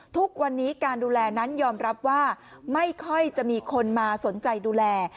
ทุกวันนี้การดูแลนั้นยอมรับว่าไม่ค่อยจะมีคนมาสนใจดูแล